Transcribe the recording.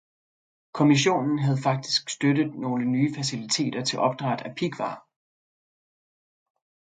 Kommissionen havde faktisk støttet nogle nye faciliteter til opdræt af pighvar.